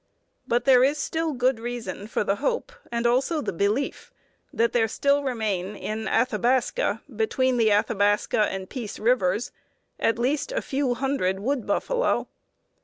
But there is still good reason for the hope, and also the belief, that there still remain in Athabasca, between the Athabasca and Peace Rivers, at least a few hundred "wood buffalo."